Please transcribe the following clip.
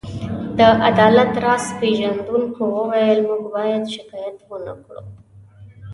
د عدالت راز پيژندونکو وویل: موږ باید شکایت ونه کړو.